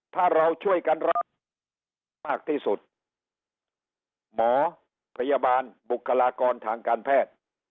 ถ้าเราช่วยกันรับมากที่สุดหมอพยาบาลบุคลากรทางการแพทย์